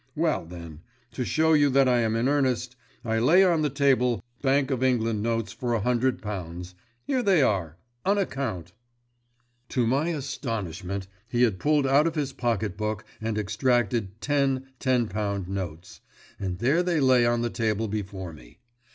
Well, then, to show you that I am in earnest, I lay on the table Bank of England notes for a hundred pounds. Here they are, on account." To my astonishment he had pulled out his pocket book and extracted ten ten pound notes, and there they lay on the table before me.